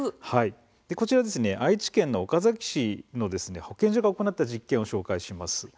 こちら、愛知県岡崎市の保健所が行った実験を紹介します。